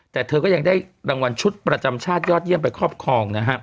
แต่เธอก็ยังได้รางวัลชุดประจำชาติยอดเยี่ยมไปครอบครองนะฮะ